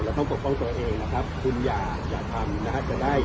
แล้วต้องปกป้องตัวเองนะครับคุณอย่าจะทำนะครับ